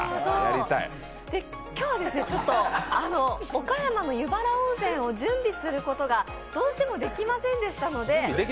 今日は岡山の湯原温泉を準備することがどうしてもできませんでしたので。